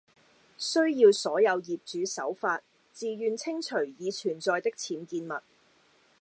需要所有業主守法，自願清除已存在的僭建物